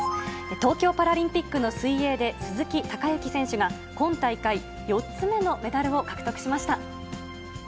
東京パラリンピックの水泳で、鈴木孝幸選手が、今大会４つ目のメダルを獲得しました。